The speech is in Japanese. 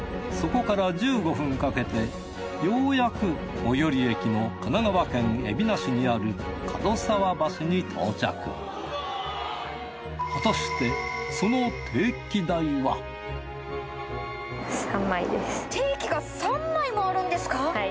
そこから１５分かけてようやく最寄り駅の神奈川県海老名市にある門沢橋に到着定期が３枚もあるんですか！